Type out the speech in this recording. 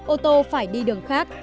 ô tô phải đi đường khác